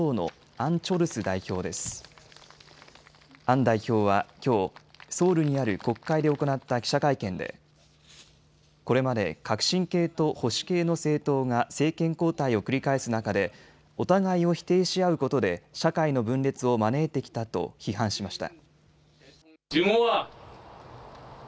アン代表はきょうソウルにある国会で行った記者会見でこれまで革新系と保守系の政党が政権交代を繰り返す中でお互いを否定し合うことで社会の分裂を招いてきたと批判しました。